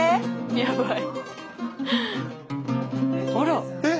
やばい。